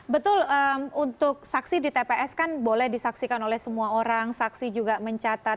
betul untuk saksi di tps kan boleh disaksikan oleh semua orang saksi juga mencatat